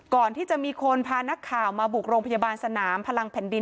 ก่อนที่จะมีคนพานักข่าวมาบุกโรงพยาบาลสนามพลังแผ่นดิน